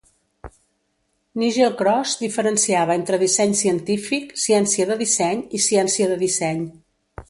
Nigel Cross diferenciava entre disseny científic, ciència de disseny i ciència de disseny.